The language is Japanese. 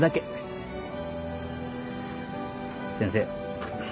先生